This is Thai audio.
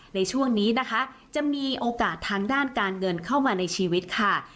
ในช่วงนี้นะคะจะมีโอกาสทางด้านการเงินเข้ามาในชีวิตค่ะ